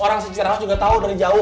orang secitarak juga tau dari jauh